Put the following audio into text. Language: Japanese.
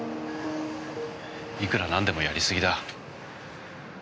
「いくらなんでもやり過ぎだ」